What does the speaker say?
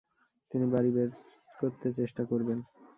তিনি বাড়ি বের করতে চেষ্টা করবেন।